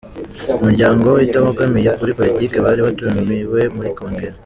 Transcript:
imiryango itabogamiye kuri politiki bari batumiwe muri Kongere.